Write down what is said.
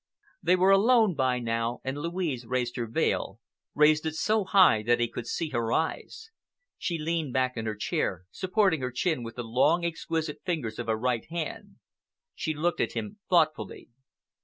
They were alone by now and Louise raised her veil, raised it so high that he could see her eyes. She leaned back in her chair, supporting her chin with the long, exquisite fingers of her right hand. She looked at him thoughtfully.